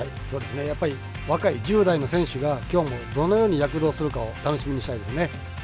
やっぱり若い１０代の選手が、きょうもどのように躍動するかを楽しみにしたいですね。